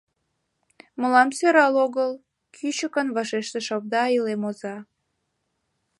— Мылам сӧрал огыл, — кӱчыкын вашештыш овда илем оза.